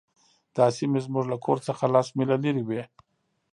دا سیمې زموږ له کور څخه لس میله لرې وې